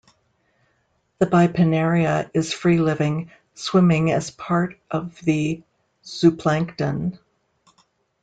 The bipinnaria is free-living, swimming as part of the zooplankton.